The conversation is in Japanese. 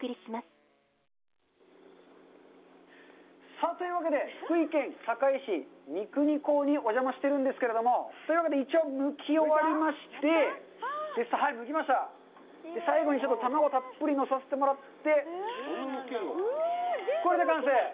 さあというわけで、福井県坂井市の三国港にお邪魔しているんですけど、というわけで、一応むき終わりまして最後にちょっと卵をたっぷり乗せさせてもらって、これで完成。